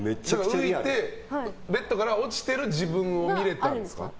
浮いて、ベットから落ちてる自分を見れたんですか？